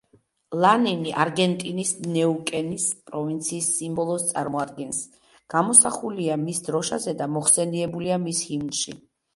ლანინი არგენტინის ნეუკენის პროვინციის სიმბოლოს წარმოადგენს, გამოსახულია მის დროშაზე და მოხსენიებულია მის ჰიმნში.